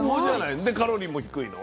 でカロリーも低いの？